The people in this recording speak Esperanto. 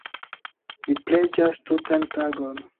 Mi preĝas tutan tagon.